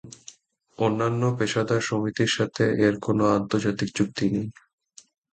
অন্যান্য পেশাদার সমিতির সাথে এর কোন আন্তর্জাতিক চুক্তি নেই।